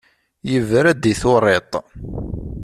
Yebra-d i turiḍt.